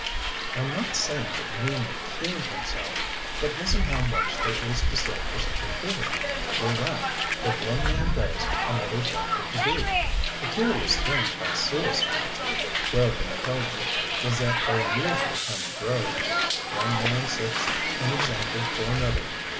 "I'm not saying that Nealman killed himself, but listen how much there is to say for such a theory. You're right what one man does, another's likely to do. A curious thing about suicides, Weldon tells me, is that they usually come in droves. One man sets an example for another.